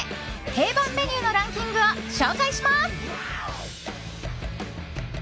定番メニューのランキングを紹介します。